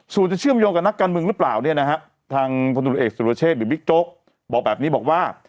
ส่วนจะเชื่อมโยงกับนักการเมืองหรือเปล่าเนี่ยนะฮะทางพลตรวจเอกสุรเชษหรือบิ๊กโจ๊กบอกแบบนี้บอกว่า